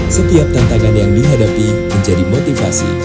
setiap tantangan yang dihadapi menjadi motivasi